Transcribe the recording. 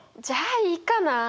じゃあいいかな。